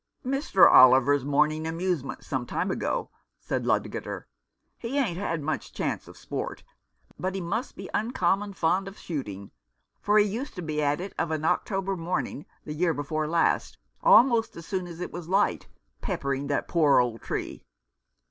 " Mr. Oliver's morning amusement some time ago," said Ludgater. " He ain't had much chance of sport, but he must be uncommon fond of shooting, for he used to be at it of an October morning the year before last almost as soon as it was light, peppering that poor old tree.